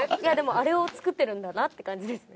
あれを作ってるんだなって感じですね